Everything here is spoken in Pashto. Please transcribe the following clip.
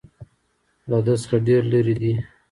له ده څخه ډېر لرې دي.